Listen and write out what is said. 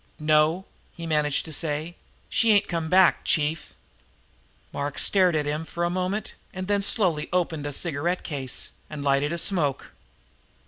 "No," he managed to say, "she ain't come back, chief." Mark stared at him for a moment and then slowly opened a cigarette case and lighted a smoke.